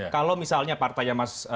kalau misalnya partai